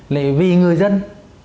lại vì người dân